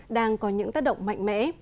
đang có những tác động mạnh mẽ